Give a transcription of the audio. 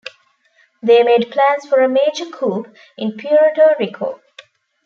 They made plans for a major coup in Puerto Rico.